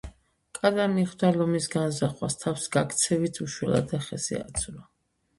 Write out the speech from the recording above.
კატა მიხვდა ლომის განზრახვას, თავს გაქცევით უშველა და ხეზე აძვრა